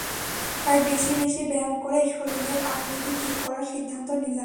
তাই বেশি বেশি ব্যায়াম করেই শরীরের আকৃতি ঠিক করার সিদ্ধান্ত নিলাম।